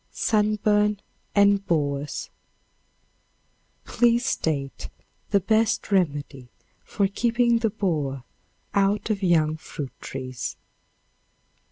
Sunburn and Borers. Please state the best remedy for keeping the borer out of young fruit trees.